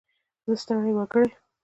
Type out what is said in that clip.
زه ستړی وګړی.